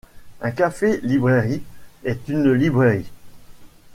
Un café librairie et une librairie.